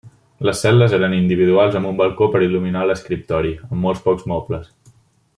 Les cel·les eren individuals amb un balcó per il·luminar l'escriptori, amb molt pocs mobles.